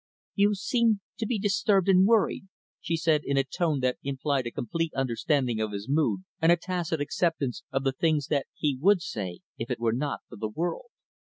"You seem to be disturbed and worried," she said, in a tone that implied a complete understanding of his mood, and a tacit acceptance of the things that he would say if it were not for the world.